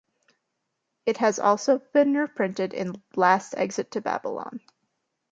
It has also been reprinted in "Last Exit to Babylon".